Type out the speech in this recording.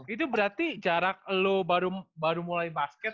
itu berarti jarak lo baru mulai basket